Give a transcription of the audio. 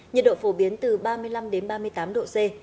nhiệt độ phổ biến từ ba mươi năm đến ba mươi tám độ c